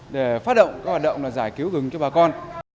để phát động các hoạt động giải cứu rừng cho bà con